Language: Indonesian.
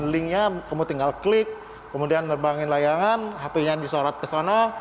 linknya kamu tinggal klik kemudian nerbangin layangan hp nya disorot ke sana